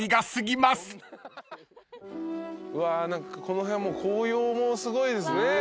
この辺紅葉もすごいですね。